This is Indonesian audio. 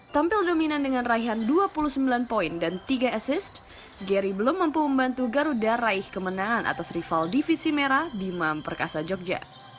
tampil dominan dengan raihan dua puluh sembilan poin dan tiga asis gary belum mampu membantu garuda raih kemenangan atas rival divisi merah bima perkasa jogja